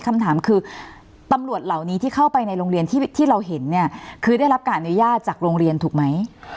คำถามคือตำรวจเหล่านี้ที่เข้าไปในโรงเรียนที่เราเห็นเนี่ยคือได้รับการอนุญาตจากโรงเรียนถูกไหม